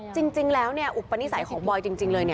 จริงแล้วอุปนิสัยของบอยจริงเลย